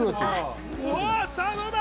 さぁどうだ？